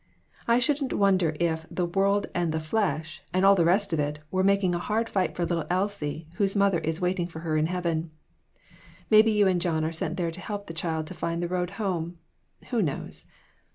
I shouldn't wonder if "the world and the flesh," and all the rest of it, were making a hard fight for little Elsie, whose mother is waiting for her in heaven. Maybe you and John are sent there to help the child to find the road home who knows?